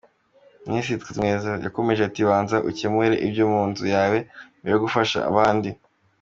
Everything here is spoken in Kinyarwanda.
Minisiiri Tumwebaze yakomeje ati: ”banza ukemura ibyo mu nzu yawe mbere yo gufasha abandi”